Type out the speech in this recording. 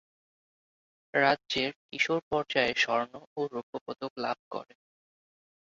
রাজ্যের কিশোর পর্যায়ে স্বর্ণ ও রৌপ্যপদক লাভ করেন।